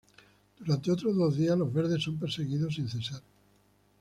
Durante otros dos días los verdes son perseguidos sin cesar.